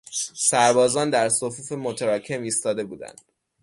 سربازان در صفوف متراکم ایستاده بودند.